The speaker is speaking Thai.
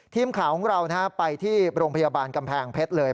ทีมข่าวของเราไปที่โรงพยาบาลกำแพงเพชรเลย